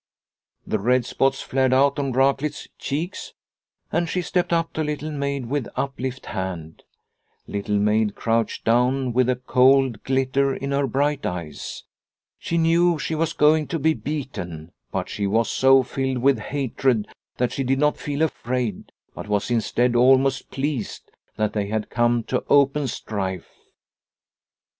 The red spots flared out on Raklitz's cheeks and she stepped up to Little Maid with up lifted hand. Little Maid crouched down with a cold glitter in her bright eyes. She knew she was going to be beaten, but she was so filled with hatred that she did not feel afraid, but was, instead, almost pleased that they had come to open strife.